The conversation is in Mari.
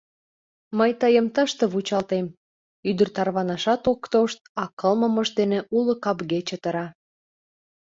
— Мый тыйым тыште вучалтем... — ӱдыр тарванашат ок тошт, а кылмымыж дене уло капге чытыра.